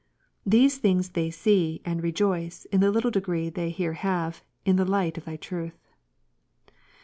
These things they see, and rejoice, in the little degree they here may, in the light of Thy truth.